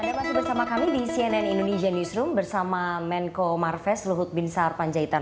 anda masih bersama kami di cnn indonesia newsroom bersama menko marves luhut bin sarpanjaitan